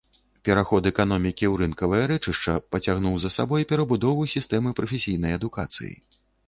Пераход эканомікі ў рынкавае рэчышча пацягнуў за сабой перабудову сістэмы прафесійнай адукацыі.